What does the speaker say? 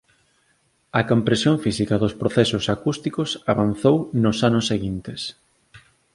A comprensión da física dos procesos acústicos avanzou nos anos seguintes